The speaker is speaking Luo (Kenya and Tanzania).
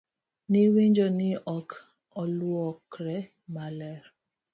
Ni winjo ni ok oluokre maler?